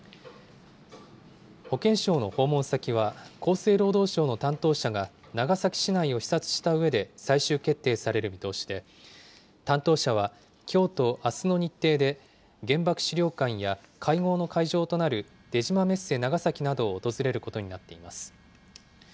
保健相の訪問先は厚生労働省の担当者が長崎市内を視察したうえで最終決定される見通しで、担当者は、きょうとあすの日程で、原爆資料館や会合の会場となる出島メッセ長崎などを訪れることになっています。